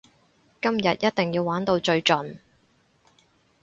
今日一定要玩到最盡！